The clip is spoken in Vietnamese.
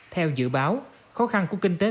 theo dự báo khó khăn của kinh tế